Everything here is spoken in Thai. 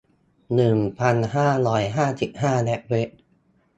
หนึ่งพันห้าร้อยห้าสิบห้า และเว็บ